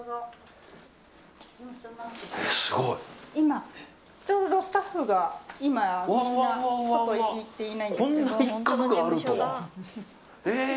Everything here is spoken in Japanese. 今ちょうどスタッフがみんな外に行ってないんですけど。